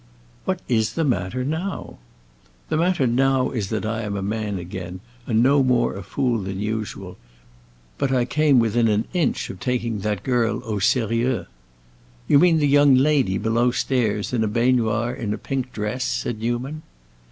"What is the matter now?" "The matter now is that I am a man again, and no more a fool than usual. But I came within an inch of taking that girl au sérieux." "You mean the young lady below stairs, in a baignoire in a pink dress?" said Newman.